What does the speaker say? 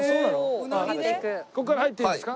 ここから入っていいんですか？